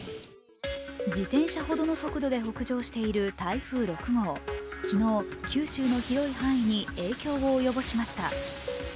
自転車ほどの速度で北上している台風６号昨日、九州の広い範囲に影響を及ぼしました。